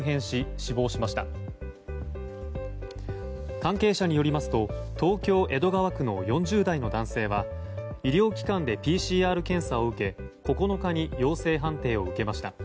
関係者によりますと東京・江戸川区の４０代の男性は医療機関でＰＣＲ検査を受け９日に陽性判定を受けました。